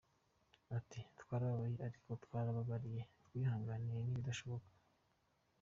Ati “Twarababaye ariko twarababariye, twihanganiye n’ibidashoboka.